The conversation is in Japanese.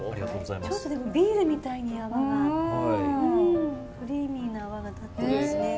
ちょっとでもビールみたいに泡がクリーミーな泡が立ってますね。